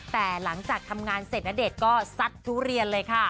แต่หลังจากทำงานเสร็จณเดชน์ก็ซัดทุเรียนเลยค่ะ